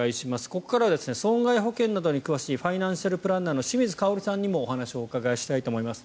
ここからは損害賠償などに詳しいファイナンシャルプランナーの清水香さんにもお話をお伺いしたいと思います。